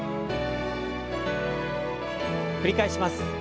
繰り返します。